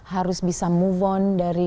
harus bisa move on dari